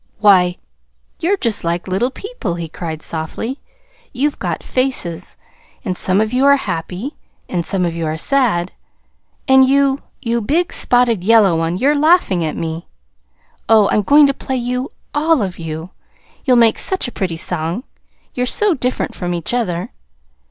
"Why, you're just like little people," he cried softly. "You've got faces; and some of you are happy, and some of you are sad. And you you big spotted yellow one you're laughing at me. Oh, I'm going to play you all of you. You'll make such a pretty song, you're so different from each other!"